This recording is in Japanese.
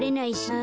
あ。